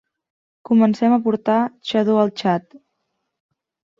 Comencen a portar xador al Txad.